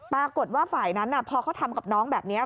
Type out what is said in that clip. ปรากฏว่าฝ่ายนั้นพอเขาทำกับน้องแบบนี้